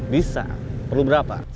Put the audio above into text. bisa perlu berapa